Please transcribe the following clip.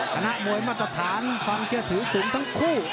คณะมวยมาตรฐานความเชื่อถือสูงทั้งคู่